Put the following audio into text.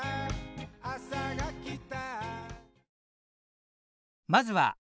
「朝がきた」